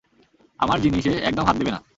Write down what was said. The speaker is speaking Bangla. আমার জিনিসে একদম হাত দেবে না।